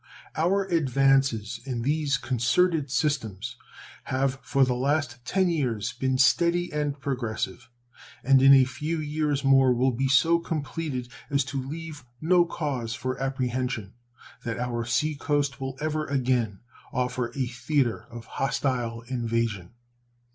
Our advances in these concerted systems have for the last ten years been steady and progressive, and in a few years more will be so completed as to leave no cause for apprehension that our sea coast will ever again offer a theater of hostile invasion.